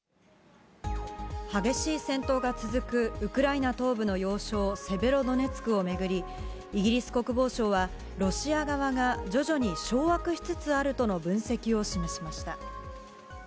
激しい戦闘が続くウクライナ東部の要衝セベロドネツクを巡り、イギリス国防省は、ロシア側が徐々に掌握しつつあるとの分析を示しました。